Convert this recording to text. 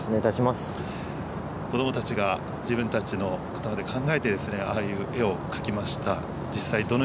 子どもたちが自分たちの頭で考えて、ああいう絵を描きました。